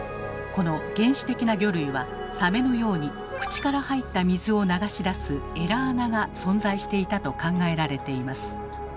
この原始的な魚類はサメのように口から入った水を流し出す「エラ孔」が存在していたと考えられています。